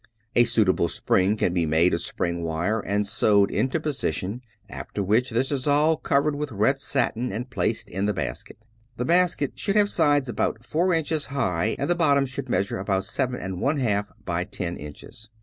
A suitable spring can be made of spring wire and sewed into position, after which this is all covered with red satin and placed in the basket. The basket should have sides about four inches high, and the bottom should measure about seven and one half by ten inches.